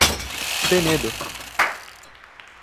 Penedo